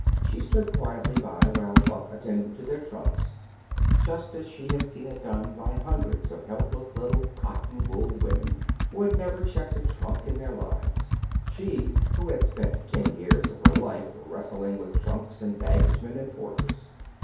She stood quietly by while Buck attended to their trunks, just as she had seen it done by hundreds of helpless little cotton wool women who had never checked a trunk in their lives she, who had spent ten years of her life wrestling with trunks and baggagemen and porters.